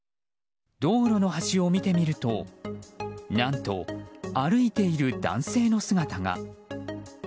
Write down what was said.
道路の端を見てみると何と歩いている男性の姿が。